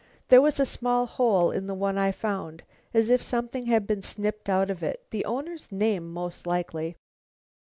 There was a small hole in the one I found, as if something had been snipped out of it; the owner's name, most likely."